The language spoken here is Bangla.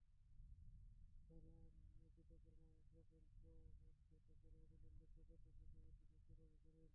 তাঁরা দুদকের মামলা ষড়যন্ত্রমূলক আখ্যায়িত করে অবিলম্বে সুব্রত চক্রবর্তীর মুক্তি দাবি করেন।